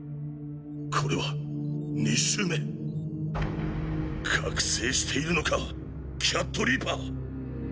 これは２周目⁉覚醒しているのかキャットリーパー！